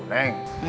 ada apaan sih abah